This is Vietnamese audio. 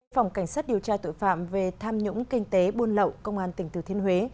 phòng cảnh sát điều tra tội phạm về tham nhũng kinh tế buôn lậu công an tỉnh thừa thiên huế